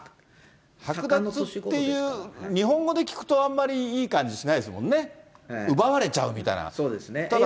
剥奪っていう、日本語で聞くとあんまりいい感じしないですもんね、奪われちゃうそうですね。